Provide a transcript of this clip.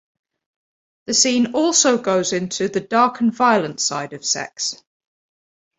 The scene also goes into the dark and violent side of sex.